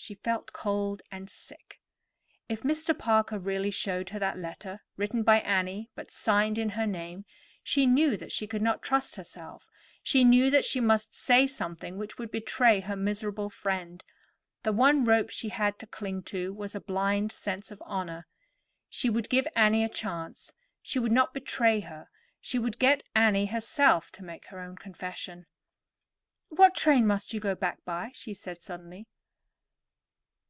She felt cold and sick. If Mr. Parker really showed her that letter, written by Annie but signed in her name, she knew that she could not trust herself, she knew that she must say something which would betray her miserable friend. The one rope she had to cling to was a blind sense of honor. She would give Annie a chance, she would not betray her, she would get Annie herself to make her own confession. "What train must you go back by?" she said suddenly.